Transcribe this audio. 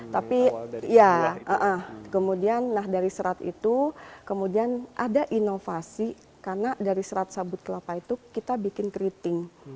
tapi ya kemudian dari serat itu kemudian ada inovasi karena dari serat sabut kelapa itu kita bikin keriting